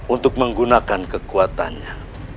untuk menggunakan kekuatannya